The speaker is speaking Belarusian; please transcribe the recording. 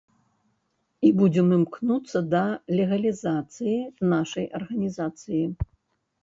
І будзем імкнуцца да легалізацыі нашай арганізацыі.